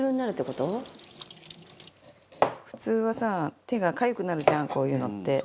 財前：普通はさ手がかゆくなるじゃんこういうのって。